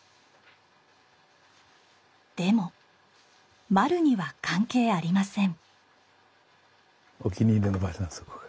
でもまるには関係ありません。